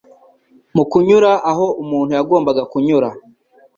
Mu kunyura aho umuntu yagombaga kunyura,